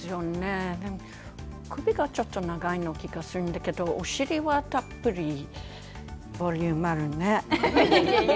首がちょっと長い気がするけどお尻はたっぷりボリュームがあるね。